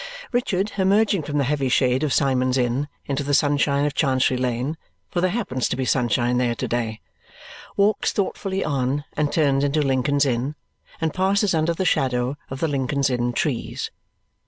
Richard, emerging from the heavy shade of Symond's Inn into the sunshine of Chancery Lane for there happens to be sunshine there to day walks thoughtfully on, and turns into Lincoln's Inn, and passes under the shadow of the Lincoln's Inn trees.